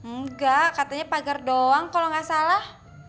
enggak katanya pagar doang kalau nggak salah